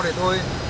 đi đi đi